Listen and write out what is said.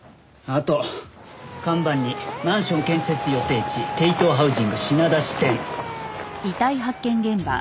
あと看板に「マンション建設予定地テイトーハウジング品田支店」。